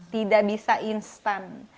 tidak bisa instan